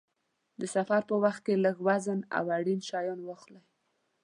د سفر په وخت کې لږ وزن او اړین شیان واخلئ.